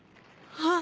・あっ？